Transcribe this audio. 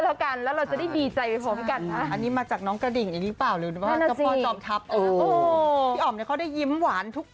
ก็ซื้อกันแล้วกันแล้วเราจะได้ดีใจของกันนะอันนี้มาจากน้องกระดิ่งอีกหรือเปล่าลืมว่าจอบทับพี่อ๋อมเขาได้ยิ้มหวานทุก